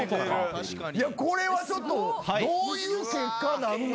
これはちょっとどういう結果なんのか。